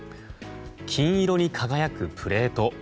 金色に輝くプレート。